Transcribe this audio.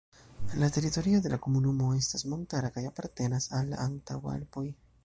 La teritorio de la komunumo estas montara kaj apartenas al la Antaŭalpoj.